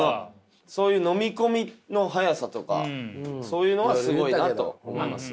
そういう飲み込みの早さとかそういうのはすごいなと思います。